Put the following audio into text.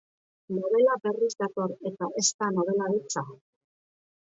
Nobela berriz dator, eta ez da nobela beltza.